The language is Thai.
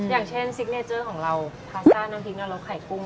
อย่างเช่นซิกเนเจอร์ของเราพาซ่าน้ำพริกนรกไข่กุ้ง